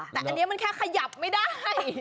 แต่อันนี้มันแค่ขยับไม่ได้